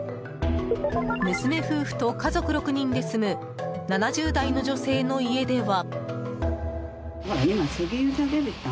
娘夫婦と家族６人で住む７０代の女性の家では。